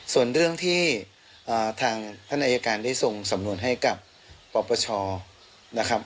ส่วนเรื่องที่ทางทำยาการส่งสำนวนให้กับปประชา